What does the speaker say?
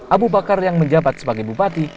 abu bakar yang menjabat sebagai bupati